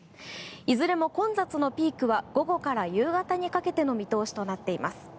いずれも混雑のピークは午後から夕方にかけての見通しとなっています。